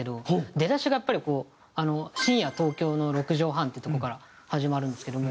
出だしがやっぱり「深夜東京の６畳半」っていうとこから始まるんですけども。